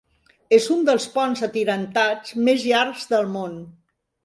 És un dels ponts atirantats més llargs del món.